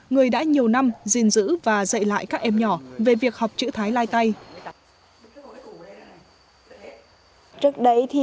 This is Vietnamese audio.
người đã nhiều năm gìn giữ và dạy lại các em nhỏ về việc học chữ thái lai tay